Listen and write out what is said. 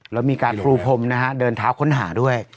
แล้วมีการปรูพรมนะฮะเดินเท้าค้นหาด้วย